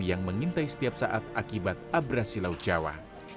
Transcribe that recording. yang mengintai setiap saat akibat abrasi laut jawa